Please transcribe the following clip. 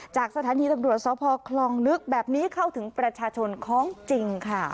จากสถานีตำรวจสพคลองลึกแบบนี้เข้าถึงประชาชนของจริงค่ะ